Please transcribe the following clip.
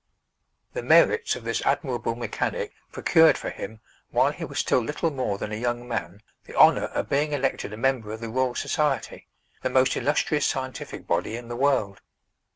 The merits of this admirable mechanic procured for him, while he was still little more than a young man, the honor of being elected a member of the Royal Society, the most illustrious scientific body in the world.